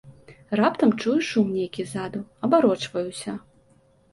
Раптам чую, шум нейкі ззаду, абарочваюся.